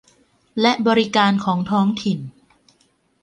และบริการของท้องถิ่น